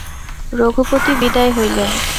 রঘুপতি বিদায় হইলেন।